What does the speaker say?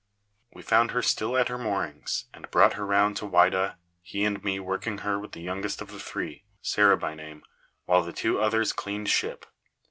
We found her still at her moorings, and brought her round to Whydah, he and me working her with the youngest of the three (Sarah by name), while the two others cleaned ship.